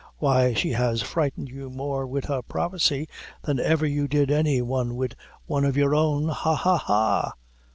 Why, she has frightened you more wid her prophecy than ever you did any one wid one of your own. Ha, ha, ha!"